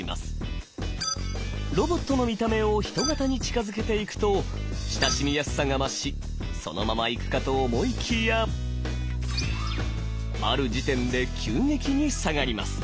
ロボットの見た目をヒト型に近づけていくと親しみやすさが増しそのままいくかと思いきやある時点で急激に下がります。